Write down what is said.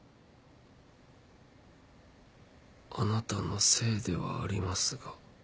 あなたのせいではありますが。